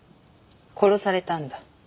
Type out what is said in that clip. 殺されたんだ。